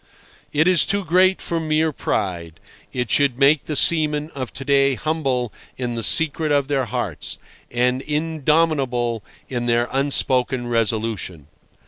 It is too great for mere pride. It should make the seamen of to day humble in the secret of their hearts, and indomitable in their unspoken resolution.